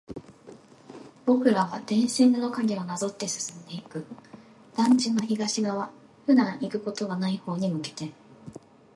僕らは電線の影をなぞって進んでいく。団地の東側、普段行くことはない方に向けて。